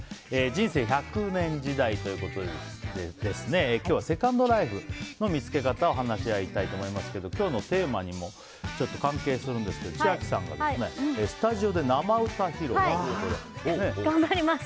人生１００年時代ということで今日はセカンドライフの見つけ方を話し合いたいと思いますけど今日のテーマにもちょっと関係するんですけど千秋さんがスタジオで生歌披露頑張ります。